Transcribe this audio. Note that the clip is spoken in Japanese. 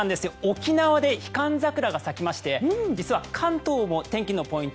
沖縄でヒカンザクラが咲きまして実は関東も天気のポイント